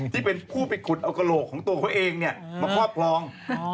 ที่เป็นผู้ไปขุดเอากระโหลกของตัวเขาเองมาครอบครอง